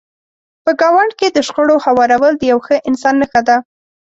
په ګاونډ کې د شخړو هوارول د یو ښه انسان نښه ده.